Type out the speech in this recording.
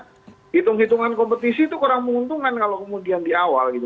karena hitung hitungan kompetisi itu kurang menguntungkan kalau kemudian di awal gitu